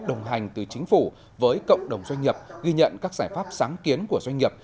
đồng hành từ chính phủ với cộng đồng doanh nghiệp ghi nhận các giải pháp sáng kiến của doanh nghiệp